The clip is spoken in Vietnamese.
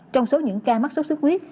trong số những ca mắc sốt sức huyết